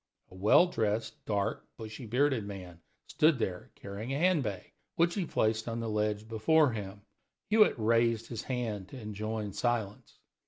A well dressed, dark, bushy bearded man stood there carrying a hand bag, which he placed on the ledge before him. Hewitt raised his hand to enjoin silence.